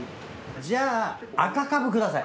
じゃあ赤かぶください。